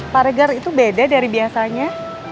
pak regar itu beda dari biasanya